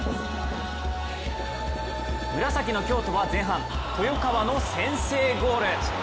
紫の京都は前半、豊川の先制ゴール。